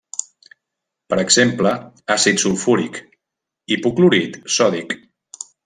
Per exemple àcid sulfúric, hipoclorit sòdic.